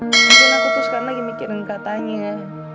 mungkin aku putuskan lagi mikirin katanya